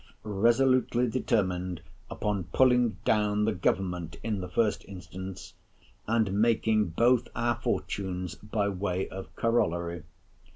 resolutely determined upon pulling down the Government in the first instance, and making both our fortunes by way of corollary.